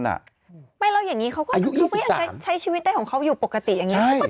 ไม่แล้วอย่างนี้เขาก็อาจจะใช้ชีวิตได้ของเขาอยู่ปกติอย่างนี้